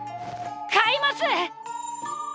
買います！